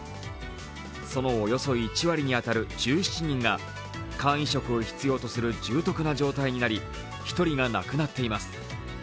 そのおよそ１割に当たる１７人が肝移植を必要とする重篤な状態となっており、１人が亡くなっています。